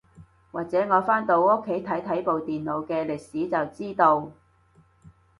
或者我返到屋企睇睇部電腦嘅歷史就知道